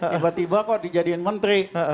tiba tiba kok dijadiin menteri